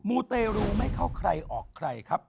มูเตรูไม่เข้าใครออกใครครับ